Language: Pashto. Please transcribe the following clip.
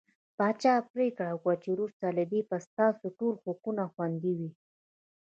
پاچا پرېکړه وکړه چې وروسته له دې به ستاسو ټول حقوق خوندي وي .